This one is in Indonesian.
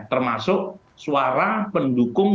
termasuk suara pendukung